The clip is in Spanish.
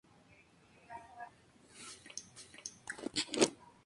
La información no es de difusión pública.